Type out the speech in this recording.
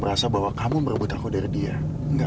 because biasanya tidak ada pendedahan kita sama baik baik saja